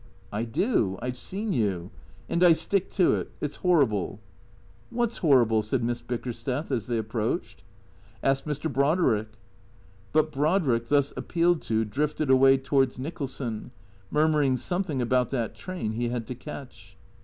" I do. I 've seen you. And I stick to it. It 's horrible." " What 's horrible ?" said Miss Bickersteth, as they ap proached. " Ask Mr. Brodrick." But Brodrick, thus appealed to, drifted away towards Nichol son, murmuring something about that train he had to catch.